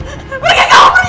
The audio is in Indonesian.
pergi kamu pergi